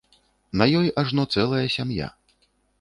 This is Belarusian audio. На ёй ажно цэлая сям'я.